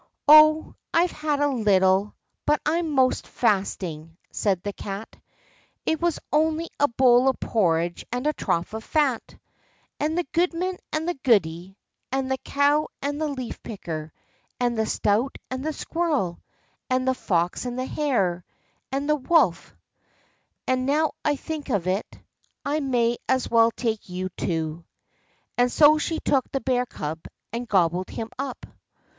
"Oh, I've had a little, but I'm 'most fasting," said the Cat; "it was only a bowl of porridge, and a trough of fat, and the goodman, and the goody, and the cow, and the leaf picker, and the stoat, and the squirrel, and the fox, and the hare, and the wolf—and, now I think of it, I may as well take you too." And so she took the bear cub and gobbled him up.